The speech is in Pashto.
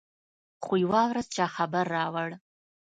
خو يوه ورځ چا خبر راوړ.